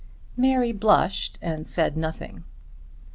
Mary blushed and said nothing.